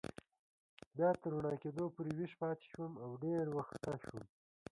بیا تر رڼا کېدو پورې ویښ پاتې شوم او ډېر و خسته شوم.